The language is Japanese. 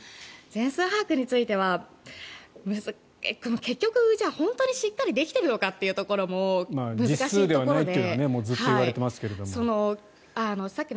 全数把握については結局、本当にしっかりできているのかというところも難しいところで。